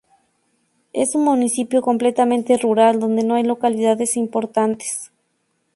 Es un municipio completamente rural donde no hay localidades importantes.